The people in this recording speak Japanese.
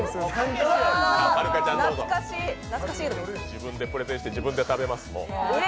自分でプレゼンして自分で食べます。